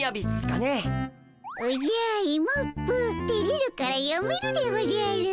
おじゃイモップてれるからやめるでおじゃる。